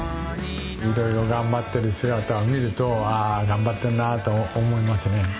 いろいろ頑張ってる姿を見るとああ頑張ってるなあと思いますね。